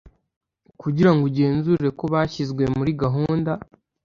kugira ngo ugenzure ko bashyizwe muri gahunda